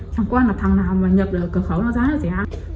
chẳng quan là thằng nào mà nhập được cửa khấu nó giá là gì hả